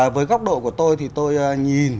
với góc độ của tôi thì tôi nhìn